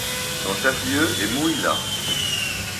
Son chef-lieu est Mouila.